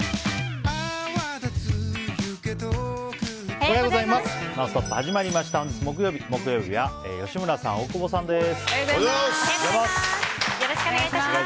おはようございます。